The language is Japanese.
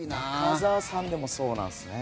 中澤さんでもそうなんですね。